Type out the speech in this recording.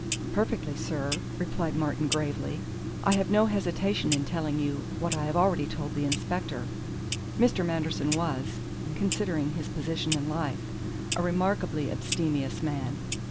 "Perfectly, sir," replied Martin gravely. "I have no hesitation in telling you what I have already told the inspector. Mr. Manderson was, considering his position in life, a remarkably abstemious man.